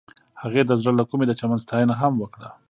هغې د زړه له کومې د چمن ستاینه هم وکړه.